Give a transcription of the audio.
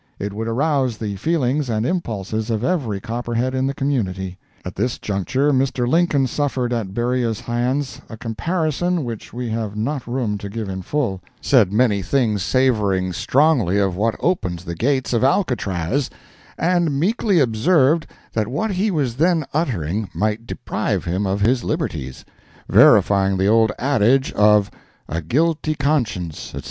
It would arouse the feelings and impulses of every Copperhead in the community. At this juncture Mr. Lincoln suffered at Beriah's hands a comparison which we have not room to give in full; said many things savoring strongly of what opens the gates of Alcatraz, and meekly observed that what he was then uttering might deprive him of his liberties; verifying the old adage of "A guilty conscience," etc.